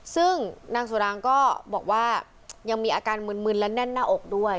ซึ่งนางสุรางก็บอกว่ายังมีอาการมึนและแน่นหน้าอกด้วย